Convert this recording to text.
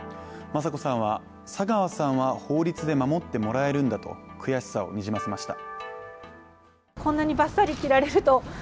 雅子さんは佐川さんは法律で守ってもらえるんだと悔しさをにじませました。